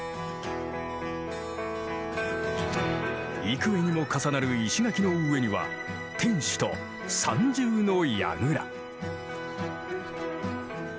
幾重にも重なる石垣の上には天守と三重の櫓。